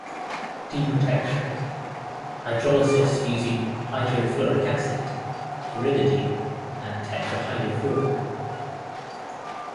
Deprotection: Hydrolysis using hydrofluoric acid, pyridine and tetrahydrofuran.